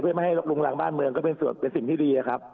เพื่อไม่ให้ลงรังบ้านเมืองก็เป็นส่วนเป็นสิ่งที่ดีอะครับ